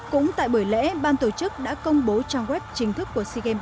cũng tại buổi lễ ban tổ chức đã công bố trang web chính thức của sea games ba mươi một